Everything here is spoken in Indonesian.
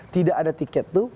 tidak ada tiket itu